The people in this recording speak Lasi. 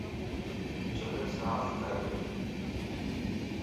چُلَ صاف ڪر